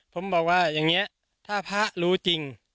ผมบอกว่าอย่างนี้ถ้าพระรู้จริง